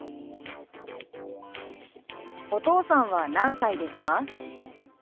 「お父さんは何歳ですか？」。